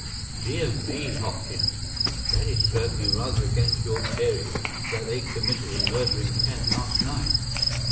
"Dear me, Hopkins! That is certainly rather against your theory that they committed a murder in Kent last night."